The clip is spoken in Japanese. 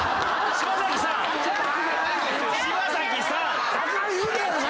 柴咲さん‼